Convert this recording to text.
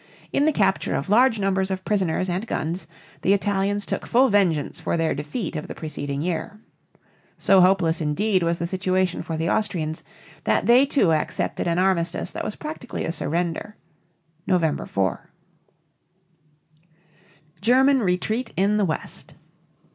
In the capture of large numbers of prisoners and guns the Italians took full vengeance for their defeat of the preceding year. So hopeless, indeed, was the situation for the Austrians that they too accepted an armistice that was practically a surrender (November 4). GERMAN RETREAT IN THE WEST.